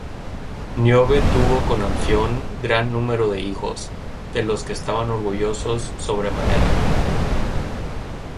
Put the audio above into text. Níobe tuvo con Anfión gran número de hijos, de los que estaban orgullosos sobremanera.